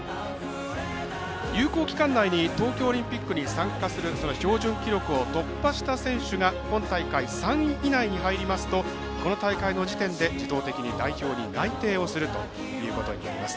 有効期間内に東京オリンピックに参加する標準記録を突破した選手が、今大会３位以内に入りますとこの大会の時点で自動的に代表に内定をするということになります。